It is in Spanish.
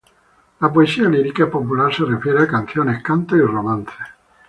La poesía lírica popular se refiere a canciones, cantos y romances.